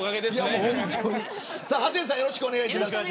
ハセンさんよろしくお願いします。